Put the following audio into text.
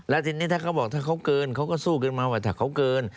แล้วทีนี้ถ้าเขาบอกถ้าเขาเกินเขาก็สู้กันมาว่าถ้าเขาเกิน